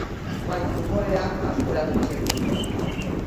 Bai, umorea asko erabiltzen dut.